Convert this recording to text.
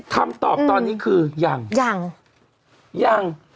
คำตอบตอนนี้คือยังยัง